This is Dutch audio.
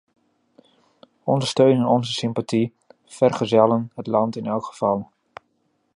Onze steun en onze sympathie vergezellen het land in elk geval.